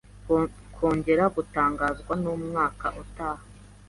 kongera gutangazwa mumwaka utaha